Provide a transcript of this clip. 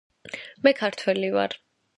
მე ქართველი ვარ